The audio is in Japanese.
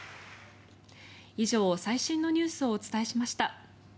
以上、最新のニュースをお伝えしました。